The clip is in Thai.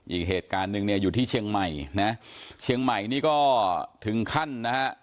อีกเหตุการณ์หนึ่งเนี่ยอยู่ที่เชียงใหม่นะเชียงใหม่นี่ก็ถึงขั้นนะฮะ